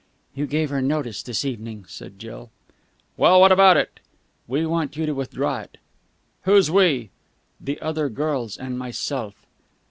"You gave her notice this evening," said Jill. "Well, what about it?" "We want you to withdraw it." "Who's 'we'?" "The other girls and myself."